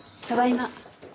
ただいま。